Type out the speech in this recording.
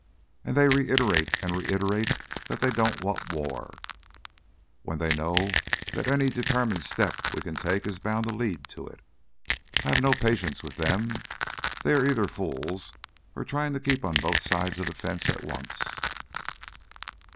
And they reiterate and reiterate that they don't want war, when they know that any determined step we can take is bound to lead to it. I have no patience with them. They either are fools or are trying to keep on both sides of the fence at once."